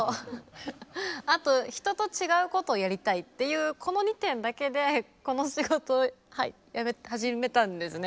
あと「人と違うことをやりたい」っていうこの２点だけでこの仕事始めたんですね。